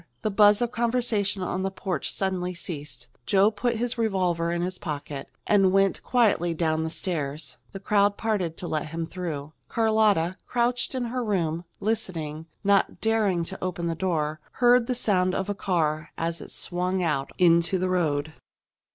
The buzz of conversation on the porch suddenly ceased. Joe put his revolver in his pocket and went quietly down the stairs. The crowd parted to let him through. Carlotta, crouched in her room, listening, not daring to open the door, heard the sound of a car as it swung out into the road.